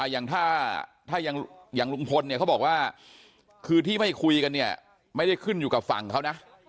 อย่างถ้าอย่างลุงพลเนี่ยเขาบอกว่าคือที่ไม่คุยกันเนี่ยไม่ได้ขึ้นอยู่กับฝั่งเขานะ